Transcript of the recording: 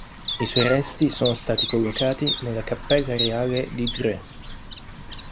I suoi resti sono stati collocati nella Cappella Reale di Dreux.